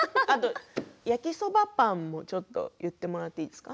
焼きそばパンも言ってもらっていいですか。